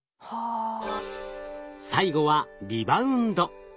最後はリバウンド。